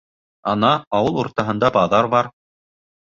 Ана, ауыл уртаһында баҙар бар.